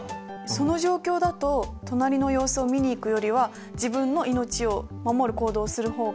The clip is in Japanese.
その状況だと隣の様子を見に行くよりは自分の命を守る行動をする方が大事かもしれない。